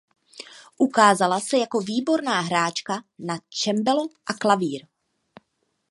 Ukázala se jako výborná hráčka na cembalo a klavír.